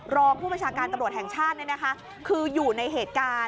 รองค์ผู้ประชาการตำรวจแห่งชาตินะคะ